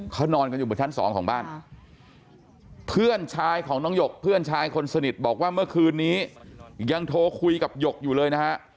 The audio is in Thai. เขานอนกันอยู่บนชั้นสองของบ้านเพื่อนชายของน้องหยกเพื่อนชายคนสนิทบอกว่าเมื่อคืนนี้ยังโทรคุยกับหยกอยู่เลยนะฮะ